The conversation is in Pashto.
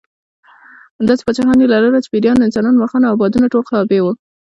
داسې پاچاهي یې لرله چې پېریان، انسانان، مرغان او بادونه ټول تابع وو.